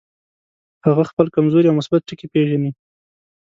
هغه خپل کمزوري او مثبت ټکي پېژني.